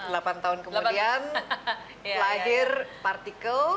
delapan tahun kemudian lahir partikel